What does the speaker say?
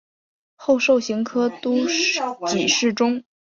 后授刑科都给事中。